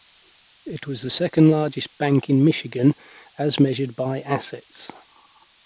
It was the second-largest bank in Michigan as measured by assets.